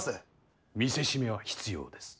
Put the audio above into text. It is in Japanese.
見せしめは必要です。